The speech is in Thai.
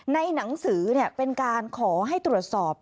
ในหนังสือเป็นการขอให้ตรวจสอบ